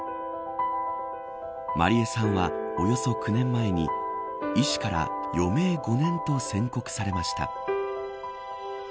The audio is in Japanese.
麻莉絵さんは、およそ９年前に医師から余命５年と宣告されました。